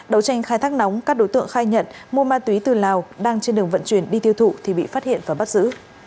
đấu tranh khai thác nóng các đối tượng khai nhận mua ma túy từ lào đang trên đường vận chuyển đi tiêu thụ thì bị phát hiện và bắt giữ